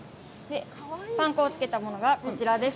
パン粉をつけたものがこちらです。